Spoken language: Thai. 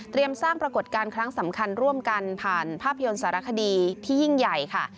สร้างปรากฏการณ์ครั้งสำคัญร่วมกันผ่านภาพยนตร์สารคดีที่ยิ่งใหญ่ค่ะ